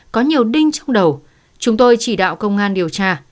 có nhiều đinh trong đầu chúng tôi chỉ đạo công an điều tra